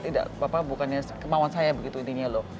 tidak apa apa bukannya kemauan saya begitu intinya loh